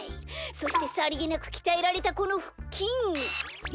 そしてさりげなくきたえられたこのふっきん。